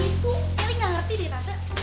itu eri gak ngerti deh tante